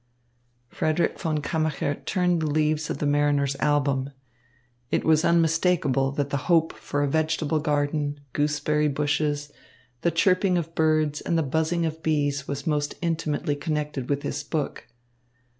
Frederick von Kammacher turned the leaves of the mariner's album. It was unmistakable that the hope for a vegetable garden, gooseberry bushes, the chirping of birds, and the buzzing of bees was most intimately connected with this book.